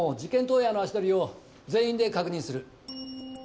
当夜の足取りを全員で確認する。